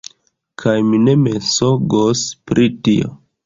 Kaj mi ne mensogos pri tio!